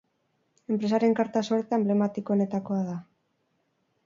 Enpresaren karta sorta enblematikoenetakoa da.